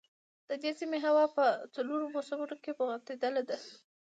د دې سيمې هوا په څلورو موسمونو کې معتدله ده.